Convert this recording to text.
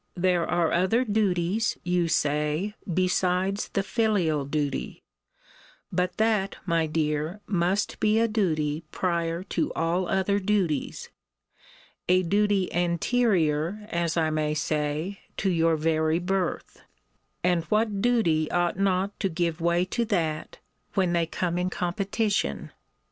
There are other duties, you say, besides the filial duty: but that, my dear, must be a duty prior to all other duties; a duty anterior, as I may say, to your very birth: and what duty ought not to give way to that, when they come in competition?